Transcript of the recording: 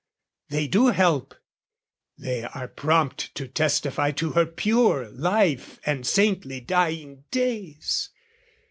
They do help; they are prompt to testify To her pure life and saintly dying days.